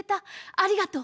ありがとう。